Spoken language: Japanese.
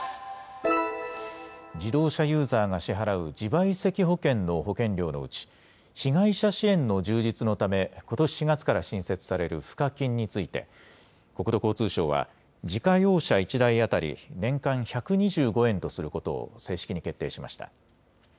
自動車ユーザーが支払う自賠責保険の保険料のうち、被害者支援の充実のため、ことし４月から新設される賦課金について、国土交通省は、自家用車１台当たり年間１２５円とすることを正式に決定しました。